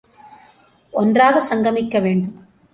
ஒன்றாக சங்கமிக்க வேண்டும்.